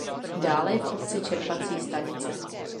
Dále je v obci čerpací stanice.